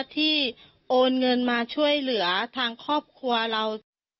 ที่โอนเงินมาช่วยเหลือทางครอบครัวเรา